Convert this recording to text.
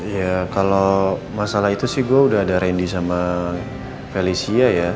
ya kalau masalah itu sih gue udah ada randy sama felicia ya